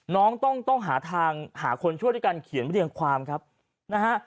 น้องต้องหาทางหาคนช่วยด้วยการเขียนเรียงความครับนะฮะ